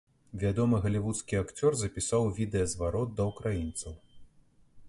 Вядомы галівудскі акцёр запісаў відэазварот да ўкраінцаў.